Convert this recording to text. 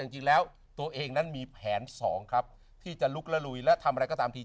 จริงแล้วตัวเองนั้นมีแผน๒ครับที่จะลุกละลุยและทำอะไรก็ตามที